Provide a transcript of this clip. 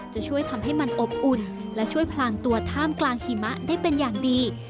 จะช่วยทำให้มันอบอุ่นและช่วยพลางตัวท่ามกลางหิมะได้เป็นอย่างดี